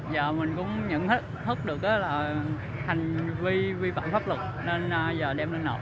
giờ mình cũng nhận thức được là hành vi vi phạm pháp luật nên giờ đem nộp